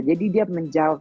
jadi dia menjawab